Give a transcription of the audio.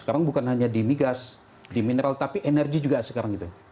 sekarang bukan hanya di mi gas di mineral tapi energi juga sekarang gitu ya